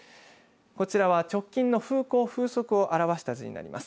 こちらは、直近の風向風速を表した図になります。